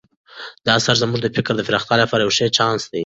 دا اثر زموږ د فکر د پراختیا لپاره یو ښه چانس دی.